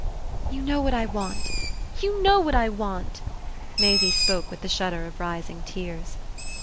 "You know what I want, you know what I want!" Maisie spoke with the shudder of rising tears.